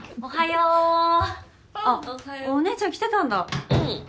うん。